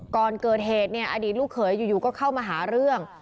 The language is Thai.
ก่อนเกิดเหตุเนี่ยอดีตลูกเขยอยู่ก็เข้ามาหาเรื่อง